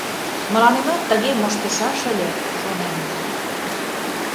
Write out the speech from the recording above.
Мыланемат тыге моштышаш ыле, шонем.